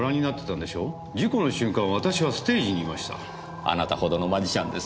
あなたほどのマジシャンです